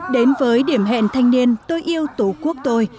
đến với điểm hẹn thanh niên tôi yêu tổ quốc tôi